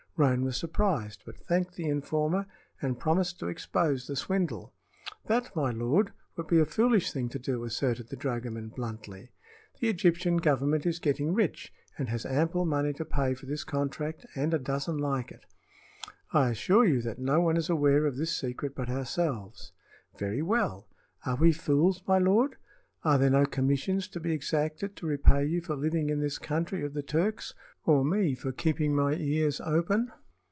Roane was surprised, but thanked the informer and promised to expose the swindle. "That, my lord, would be a foolish thing to do," asserted the dragoman, bluntly. "The Egyptian Government is getting rich, and has ample money to pay for this contract and a dozen like it. I assure you that no one is aware of this secret but ourselves. Very well! Are we fools, my lord? Are there no commissions to be exacted to repay you for living in this country of the Turks, or me for keeping my ears open?